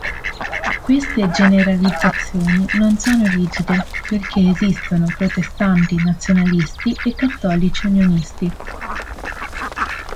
Queste generalizzazioni non sono rigide perché esistono protestanti nazionalisti e cattolici unionisti.